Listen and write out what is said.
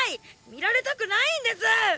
見られたくないんです！